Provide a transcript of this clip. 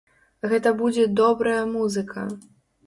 Гэта будзе добрая музыка!